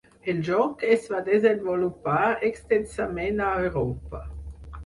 El joc es va desenvolupar extensament a Europa.